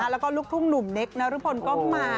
แล้วก็ลูกทุ่มหนุ่มเน็กนะครับลูกผลก็มา